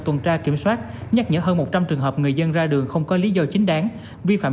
tuần tra kiểm soát nhắc nhở hơn một trăm linh trường hợp người dân ra đường không có lý do chính đáng vi phạm